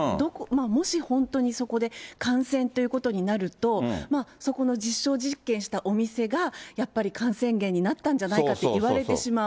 もし本当にそこで感染ということになると、そこの実証実験したお店が、やっぱり感染源になったんじゃないかっていわれてしまう。